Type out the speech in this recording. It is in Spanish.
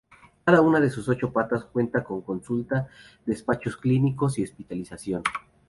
Cada una de sus ocho plantas, cuenta con consulta, despachos clínicos y hospitalización.